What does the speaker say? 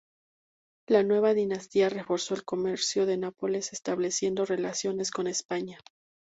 La nueva dinastía reforzó el comercio de Nápoles estableciendo relaciones con España.